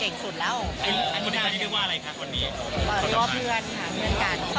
ก็เพื่อนค่ะเพื่อนกัน